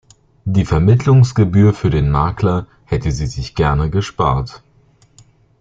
Die Vermittlungsgebühr für den Makler hätte sie sich gerne gespart.